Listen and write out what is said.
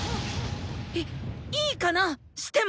いっいいかな⁉しても！